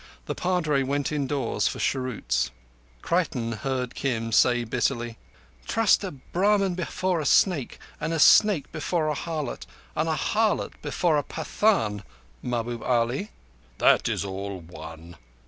The Padre went indoors for cheroots. Creighton heard Kim say bitterly: "Trust a Brahmin before a snake, and a snake before an harlot, and an harlot before a Pathan, Mahbub Ali." "That is all one."